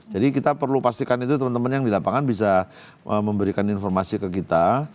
jadi kita perlu pastikan itu teman teman yang di lapangan bisa memberikan informasi ke kita